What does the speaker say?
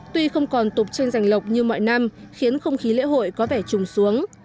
tuy không còn tục tranh giành lộc như mọi năm khiến không khí lễ hội có vẻ trùng xuống